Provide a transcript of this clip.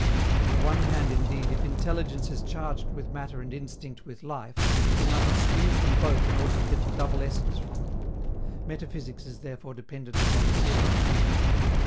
On the one hand, indeed, if intelligence is charged with matter and instinct with life, we must squeeze them both in order to get the double essence from them; metaphysics is therefore dependent upon theory of knowledge.